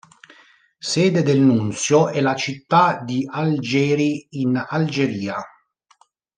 Sede del nunzio è la città di Algeri in Algeria.